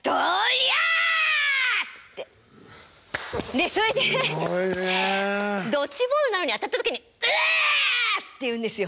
でそれでドッジボールなのに当たった時に「ウワ！」って言うんですよ。